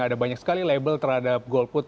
ada banyak sekali label terhadap golput